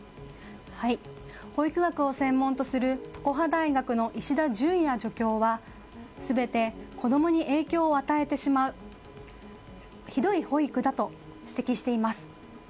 保育額を専門とする常葉大学の石田淳也教授は全て子供に影響を与えてしまうひどい保育だと指摘しています。